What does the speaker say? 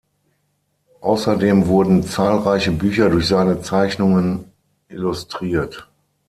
Außerdem wurden zahlreiche Bücher durch seine Zeichnungen illustriert.